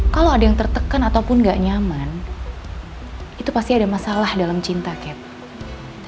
kalau ada yang tertekan ataupun gak nyaman itu pasti ada masalah dalam cinta cape